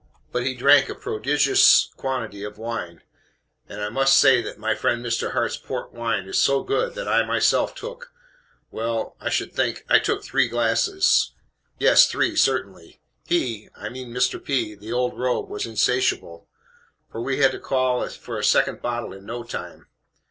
But he drank a prodigious quantity of wine; and I must say that my friend Mr. Hart's port wine is so good that I myself took well, I should think, I took three glasses. Yes, three, certainly. HE I mean Mr. P. the old rogue, was insatiable: for we had to call for a second bottle in no time.